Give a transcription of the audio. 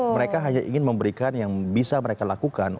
mereka hanya ingin memberikan yang bisa mereka lakukan